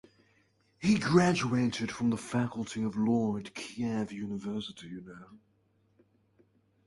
He graduated from the faculty of law at Kiev University.